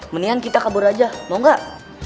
mendingan kita kabur aja mau nggak